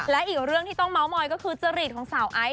และอีกเรื่องที่ต้องเมาส์มอยก็คือจริตของสาวไอซ